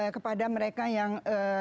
kepada mereka yang